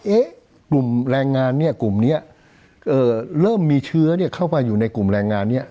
เอ๊ะกลุ่มแรงงานเนี่ยกลุ่มเนี่ยเอ่อเริ่มมีเชื้อเนี่ยเข้าไปอยู่ในกลุ่มแรงงานเนี่ย